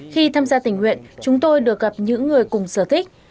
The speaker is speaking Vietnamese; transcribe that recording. khi tham gia tình nguyện chúng tôi được gặp những người cùng sở thích